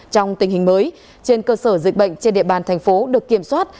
trong tình hình mới trên cơ sở dịch bệnh trên địa bàn thành phố được kiểm soát